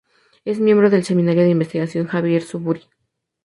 Es miembro del seminario de investigación Xavier Zubiri.